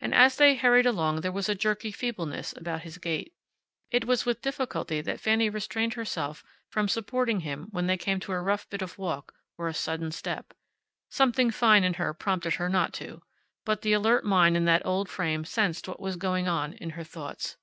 And as they hurried along there was a jerky feebleness about his gait. It was with difficulty that Fanny restrained herself from supporting him when they came to a rough bit of walk or a sudden step. Something fine in her prompted her not to. But the alert mind in that old frame sensed what was going on in her thoughts.